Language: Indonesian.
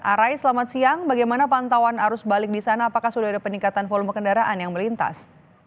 arai selamat siang bagaimana pantauan arus balik di sana apakah sudah ada peningkatan volume kendaraan yang melintas